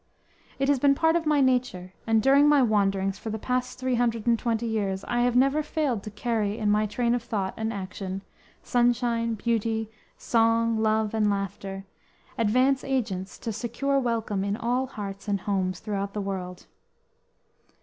It has been part of my nature, and during my wanderings for the past three hundred and twenty years I have never failed to carry in my train of thought and action sunshine, beauty, song, love and laughter advance agents to secure welcome in all hearts and homes throughout the world.